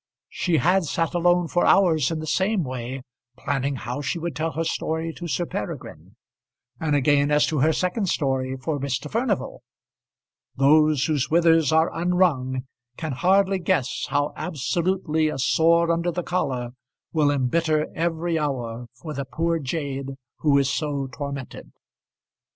She had sat alone for hours in the same way planning how she would tell her story to Sir Peregrine; and again as to her second story for Mr. Furnival. Those whose withers are unwrung can hardly guess how absolutely a sore under the collar will embitter every hour for the poor jade who is so tormented!